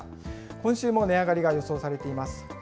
今週も値上がりが予想されています。